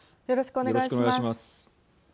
よろしくお願いします。